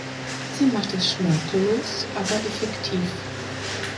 Sie macht es schnörkellos, aber effektiv.